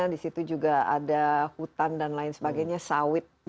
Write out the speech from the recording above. di situ juga ada hutan dan lain sebagainya sawit